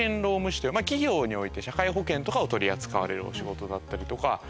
企業において社会保険とかを取り扱われるお仕事だったりとか。